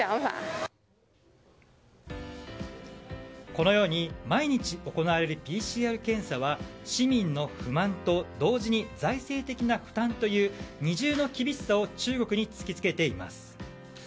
このように毎日行われるＰＣＲ検査は市民の不満と同時に財政的な負担という二重の厳しさを中国に突き付けています。